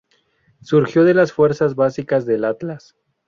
Surgió de las fuerzas básicas del Atlas.